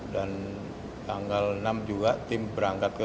dan tanggal enam juga tim berangkat ke